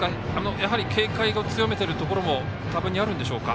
やはり警戒も強めているところも多分にあるんでしょうか。